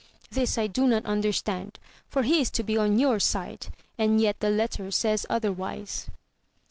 This I do not understand, for he is to be on your side ; and yet the letter says otherwise.